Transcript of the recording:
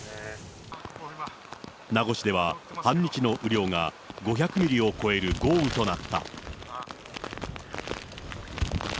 名護市では半日の雨量が５００ミリを超える豪雨となった。